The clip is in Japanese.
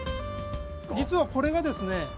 実はこれがですね